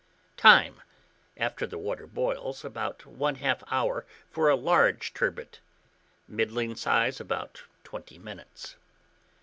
Time. After the water boils, about 1/2 hour for a large turbot; middling size, about 20 minutes.